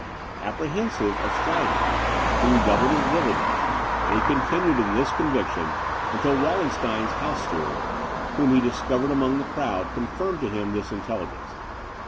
Apprehensive of stratagem, he redoubled his vigilance; and he continued in this conviction until Wallenstein's house steward, whom he discovered among the crowd, confirmed to him this intelligence.